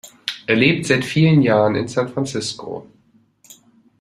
Er lebt seit vielen Jahren in San Francisco.